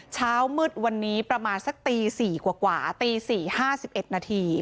เช้ามืดวันนี้ประมาณสักตี๔กว่าตี๔๕๑นาที